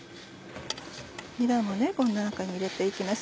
にらもこの中に入れて行きます。